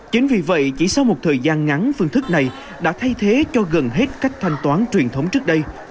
chính vì vậy chỉ sau một thời gian ngắn phương thức này đã thay thế cho gần hết cách thanh toán truyền thống trước đây